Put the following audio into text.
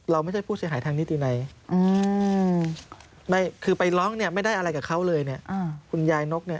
เราไม่ใช่ผู้เสียหายทางนิตยุนัย